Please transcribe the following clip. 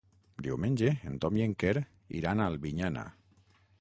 Diumenge en Tom i en Quer iran a Albinyana.